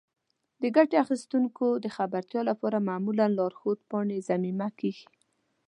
د ګټې اخیستونکو د خبرتیا لپاره معمولا لارښود پاڼې ضمیمه کیږي.